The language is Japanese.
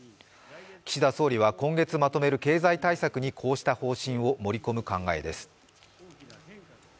岸田総理は今月まとめる経済対策にこうした方針を盛り込む考えです。